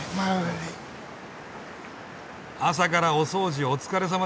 朝からお掃除お疲れさまです。